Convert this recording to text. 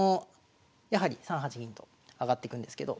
やはり３八銀と上がっていくんですけど。